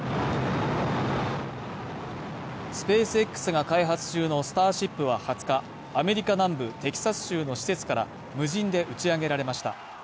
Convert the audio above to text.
スペースＸが開発中の「スターシップ」は２０日、アメリカ南部テキサス州の施設から無人で打ち上げられました。